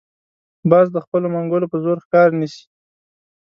باز د خپلو منګولو په زور ښکار نیسي